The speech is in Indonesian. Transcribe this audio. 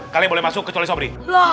kalian boleh masuk kecuali sopri